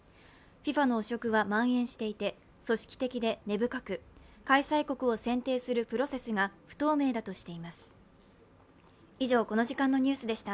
ＦＩＦＡの汚職は蔓延していて、組織的で根深く、開催国を選定するプロセスが不透明だとしています。